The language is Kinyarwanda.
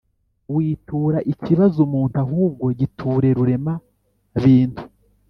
witura ikibazo umuntu ahubwo giture rurema bintu